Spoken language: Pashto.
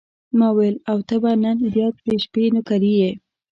ما وویل: او ته به نن بیا د شپې نوکري یې.